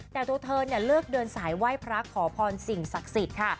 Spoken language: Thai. แต่ตัวเธอเลิกเดินสายไหว้พระขอพรสิ่งศักดิ์สิทธิ์ค่ะ